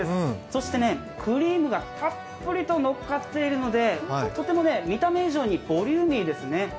そして、クリームがたっぷりとのっかっているので、とても見た目以上にボリューミーですね。